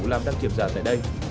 làm đăng kiểm tra tại đây